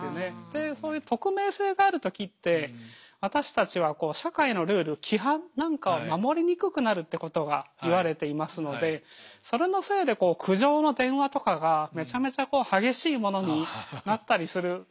でそういう匿名性があるときって私たちはこう社会のルール規範なんかを守りにくくなるってことが言われていますのでそれのせいで苦情の電話とかがめちゃめちゃこう激しいものになったりする。